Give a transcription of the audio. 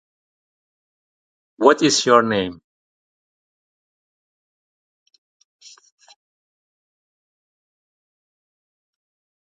Both works were very successful and reached high positions in the bestseller rankings.